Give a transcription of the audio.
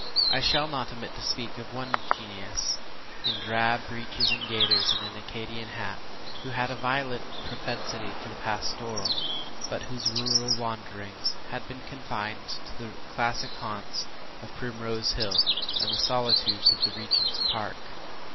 I shall not omit to speak of one genius, in drab breeches and gaiters, and an Arcadian hat, who had a violent propensity to the pastoral, but whose rural wanderings had been confined to the classic haunts of Primrose Hill, and the solitudes of the Regent’s Park.